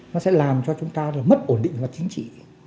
nó sẽ làm cho chúng ta là mất ổn định về chính trị